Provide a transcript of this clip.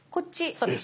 そうです。